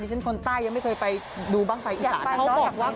ฉันคนใต้ยังไม่เคยไปดูบ้างไฟอีสานบ้าง